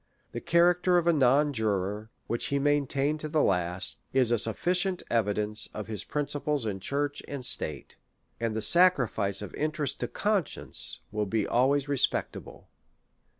The charac ter of a non juror, which he maintained to the last, is a sufficient evidence of his principles in church and state, and the sacrifice of interest to conscience will be always respectable.